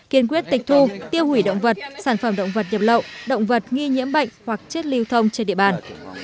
kiên quyết tịch thu tiêu hủy động vật sản phẩm động vật nhập lậu động vật nghi nhiễm bệnh hoặc chết lưu thông trên địa bàn